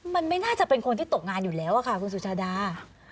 มันไม่น่าจะเป็นคนที่ตกงานอยู่แล้วค่ะคุณสุชาดา